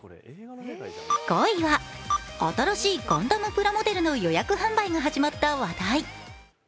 ５位は新しいガンダムプラモデルの予約販売が始まった話題。